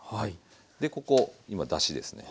でここ今だしですね。